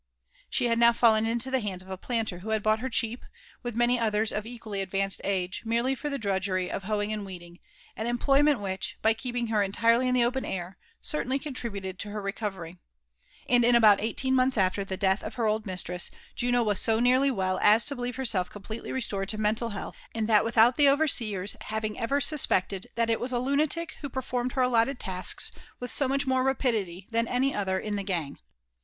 She had now fallen into the hands of a planter who had bought her cheap, with many others of equally advanced age, merely for the drudgery of hoeing and weeding; an employment which, by keeping her entirely in the open air, certainly contributed to her recovery ; and in about eighteen months after the death of her old mistress, Juno was so nearly well as to believe herself completely restored.to mental health, and that without the overseers having ever suspected that it was a lunatic who performed her allotted tasks with so much more rapidity than any other in the gang.